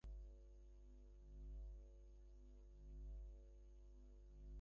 সংসারী হইবার ইচ্ছা তাঁহারও হৃদয়ে একবার উদিত হইয়াছিল।